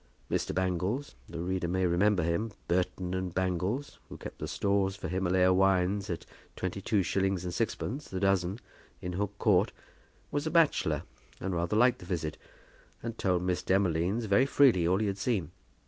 Mr. Bangles, the reader may remember him, Burton and Bangles, who kept the stores for Himalaya wines at 22_s._ 6_d._ the dozen, in Hook Court, was a bachelor, and rather liked the visit, and told Miss Demolines very freely all he had seen.